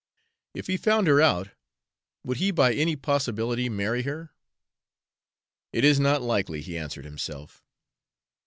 "If he found her out, would he by any possibility marry her?" "It is not likely," he answered himself.